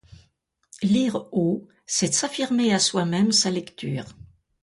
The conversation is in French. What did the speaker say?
Lire haut, c'est s'affirmer à soi-même sa lecture.